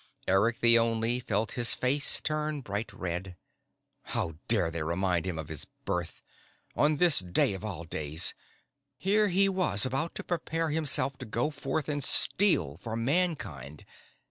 Eric the Only felt his face turn bright red. How dare they remind him of his birth? On this day of all days? Here he was about to prepare himself to go forth and Steal for Mankind....